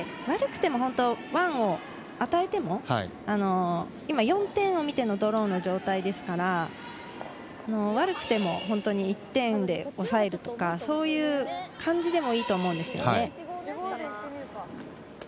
悪くてもワンを与えても今４点を見てのドローの状態ですから悪くても１点で抑えるとかそういう感じでもいいと思うんです。